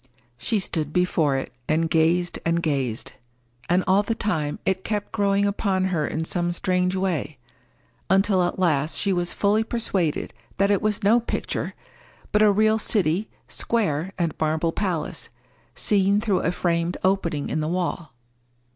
She stood before it, and gazed and gazed; and all the time it kept growing upon her in some strange way, until at last she was fully persuaded that it was no picture, but a real city, square, and marble palace, seen through a framed opening in the wall.